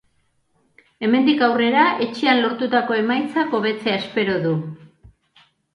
Hemendik aurrera etxean lortutako emaitzak hobetzea espero du.